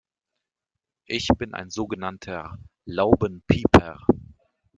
Ich bin ein sogenannter Laubenpieper.